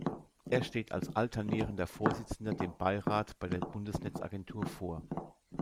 Er steht als alternierender Vorsitzender dem Beirat bei der Bundesnetzagentur vor.